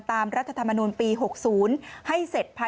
ตามรัฐธมนุมปี๖๐